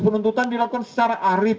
penuntutan dilakukan secara arif